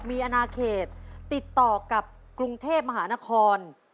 มีอนาเขตติดต่อกับกรุงเทพมหานคร